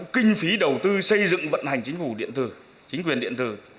kinh phí đầu tư xây dựng vận hành chính phủ điện tử chính quyền điện tử